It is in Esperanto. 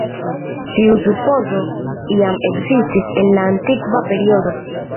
Tiu supozo jam ekzistis en la antikva periodo.